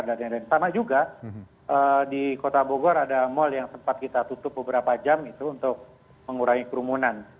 dan sama juga di kota bogor ada mal yang sempat kita tutup beberapa jam itu untuk mengurangi kerumunan